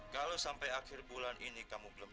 kalau sampai akhir bulan ini kamu boleh nemu